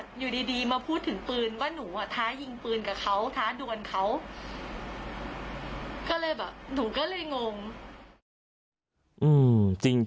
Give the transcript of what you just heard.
ก็เลยแบบหนูก็เลยงง